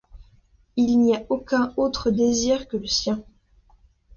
Il n'y a aucun autre désir que le sien.